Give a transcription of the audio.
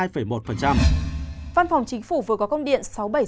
văn phòng chính phủ vừa có công điện sáu nghìn bảy trăm sáu mươi ba